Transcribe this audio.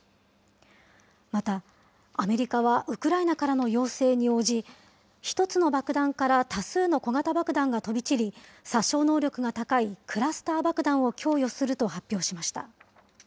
また、アメリカはウクライナからの要請に応じ、１つの爆弾から多数の小型爆弾が飛び散り、殺傷能力が高いクラスター爆弾を供与すると発表しました。